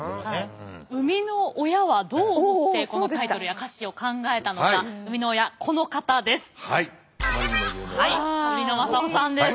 生みの親はどう思ってこのタイトルや歌詞を考えたのか生みの親この方です。